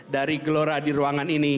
dari gelora di ruangan ini